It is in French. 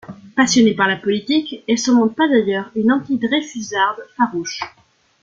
Passionnée par la politique, elle se montre par ailleurs une anti-dreyfusarde farouche.